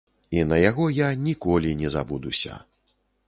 І на яго я ніколі не забудуся.